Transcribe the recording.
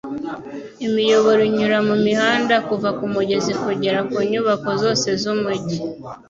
Imiyoboro inyura mumihanda kuva kumugezi kugera ku nyubako zose z'umujyi